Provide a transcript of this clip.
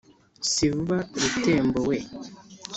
si vuba rutembo we